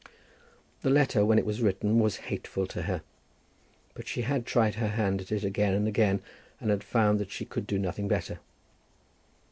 The letter when it was written was hateful to her; but she had tried her hand at it again and again, and had found that she could do nothing better.